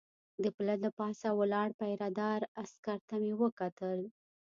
د پله له پاسه ولاړ پیره دار عسکر ته مې وکتل.